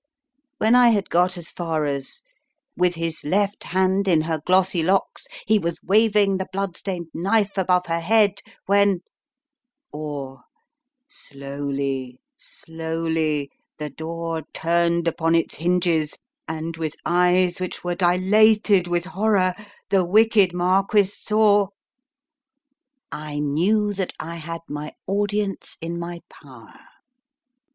When I had got as far as With his left hand in her glossy locks, he was waving the blood stained knife above her head, when or HAVE YOU SEEN WHAT THEY SAY ABOUT YOU ? Slowly, slowly, the door turned upon its hinges, and with eyes which were dilated with horror, the wicked Marquis saw I knew that I had my audience in my power.